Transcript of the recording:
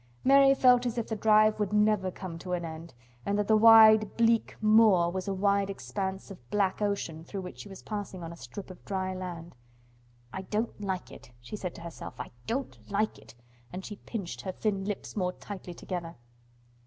Mary felt as if the drive would never come to an end and that the wide, bleak moor was a wide expanse of black ocean through which she was passing on a strip of dry land. "I don't like it," she said to herself. "I don't like it," and she pinched her thin lips more tightly together.